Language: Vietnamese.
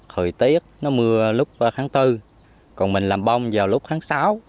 hồi tết nó mưa lúc tháng bốn còn mình làm bông vào lúc tháng sáu